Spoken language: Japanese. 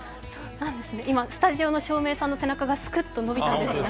今、スタジオの照明さんの背中がすくっと伸びたんですが。